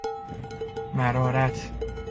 مرارت